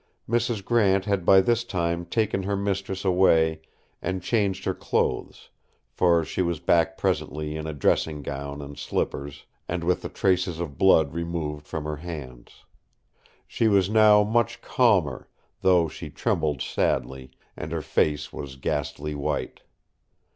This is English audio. Mrs. Grant had by this time taken her mistress away and changed her clothes; for she was back presently in a dressing gown and slippers, and with the traces of blood removed from her hands. She was now much calmer, though she trembled sadly; and her face was ghastly white.